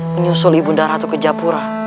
menyusul ibu undaku ke japura